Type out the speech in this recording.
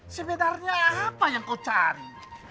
sebenarnya apa yang kau cari